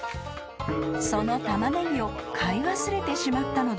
［そのタマネギを買い忘れてしまったのだ］